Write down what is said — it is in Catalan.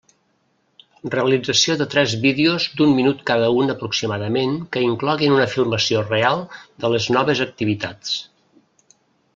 Realització de tres vídeos d'un minut cada un aproximadament que incloguin una filmació real de les noves activitats.